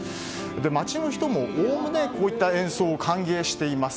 街の人もおおむねこういった演奏を歓迎しています。